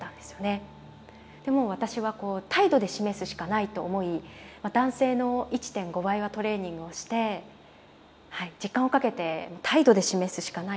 でもう私はこう態度で示すしかないと思い男性の１．５倍はトレーニングをしてはい時間をかけて態度で示すしかないと思いましたね。